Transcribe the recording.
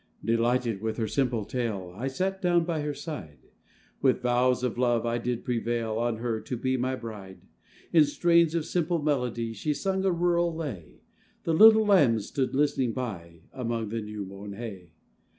Delighted with her simple tale, I sat down by her side; With vows of love I did prevail On her to be my bride: In strains of simple melody, She sung a rural lay; The little lambs stood listening by, Among the new mown hay.